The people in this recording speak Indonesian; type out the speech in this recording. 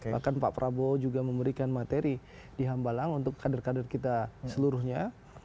bahkan pak prabowo juga memberikan materi di hambalang untuk kader kader kita seluruhnya